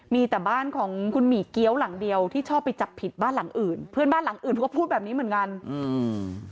มีแต่บ้านของคุณหมี่เกี้ยวหลังเดียวที่ชอบไปจับผิดบ้านหลังอื่นเพื่อนบ้านหลังอื่นเขาก็พูดแบบนี้เหมือนกันอืม